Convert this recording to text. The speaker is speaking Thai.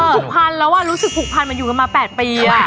ผูกพันแล้วรู้สึกผูกพันมันอยู่กันมา๘ปี